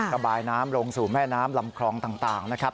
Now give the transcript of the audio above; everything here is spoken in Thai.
ระบายน้ำลงสู่แม่น้ำลำคลองต่างนะครับ